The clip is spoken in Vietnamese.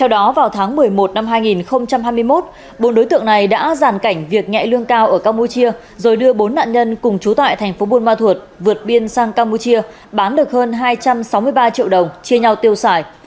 vào tháng một mươi một năm hai nghìn hai mươi một bốn đối tượng này đã giàn cảnh việc nhẹ lương cao ở campuchia rồi đưa bốn nạn nhân cùng trú tại thành phố buôn ma thuột vượt biên sang campuchia bán được hơn hai trăm sáu mươi ba triệu đồng chia nhau tiêu xài